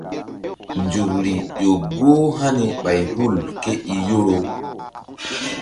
Nzukr ƴo goh hani ɓay hul ké i Yoro.